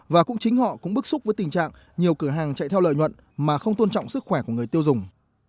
và cũng chính họ cũng bức xúc với tình trạng nhiều cửa hàng chạy theo lợi nhuận mà không tôn trọng sức khỏe của người tiêu dùng